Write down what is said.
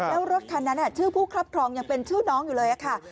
แล้วรถคันนั้นชื่อผู้ครอบครองยังเป็นชื่อน้องอยู่เลยค่ะ